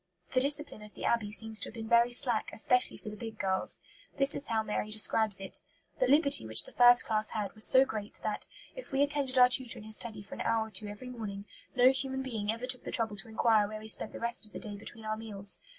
The discipline of the Abbey seems to have been very slack, especially for the big girls. This is how Mary describes it: "The liberty which the first class had was so great that, if we attended our tutor in his study for an hour or two every morning, no human being ever took the trouble to enquire where we spent the rest of the day between our meals.